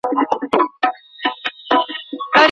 د لاس لیکنه د انساني مقام د ساتلو لاره ده.